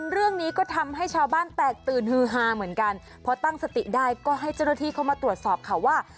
เรื่องนี้ก็ทำให้ชาวบ้านแตกตื่นฮือฮาเหมือนกันพอตั้งสติได้ก็ให้เจ้าหน้าที่เข้ามาตรวจสอบค่ะว่า